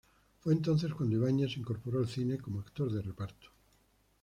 Fue entonces cuando Ibáñez se incorporó al cine como actor de reparto.